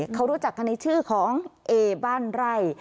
เขารู้จักกันในชื่อของเอบ้านไร่